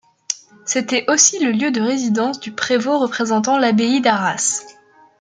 C'était aussi le lieu de résidence du Prévôt représentant l'abbaye d'Arras.